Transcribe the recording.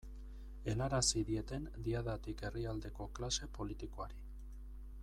Helarazi dieten Diadatik herrialdeko klase politikoari.